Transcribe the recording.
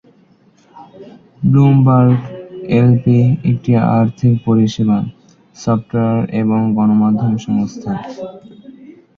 Bloomberg LP, একটি আর্থিক পরিষেবা, সফটওয়্যার এবং গণমাধ্যম সংস্থা।